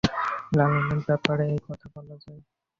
লালনের ব্যাপারেও একই কথা বলা যায়।